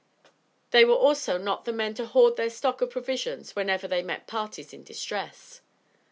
They were also not the men to hoard their stock of provisions whenever they met parties in distress.